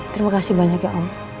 terima kasih banyak ya om